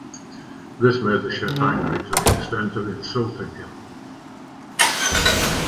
This made the chef angry to the extent of insulting him.